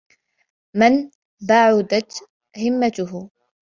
مَنْ بَعُدَتْ هِمَّتُهُ